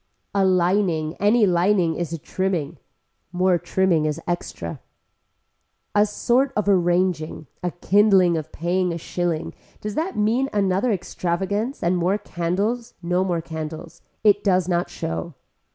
A lining any lining is a trimming. More trimming is extra. A sort of arranging, a kindling of paying a shilling, does that mean another extravagance and more candles, no more candles. It does not show.